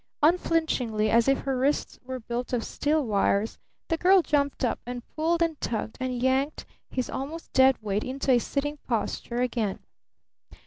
Unflinchingly, as if her wrists were built of steel wires, the girl jumped up and pulled and tugged and yanked his almost dead weight into a sitting posture again.